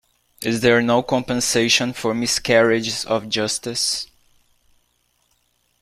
Is there no compensation for miscarriages of justice?